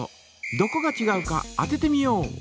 どこがちがうか当ててみよう！